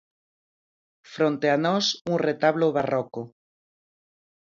Fronte a nós un retablo barroco.